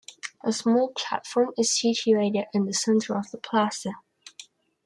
A small platform is situated in the center of the plaza.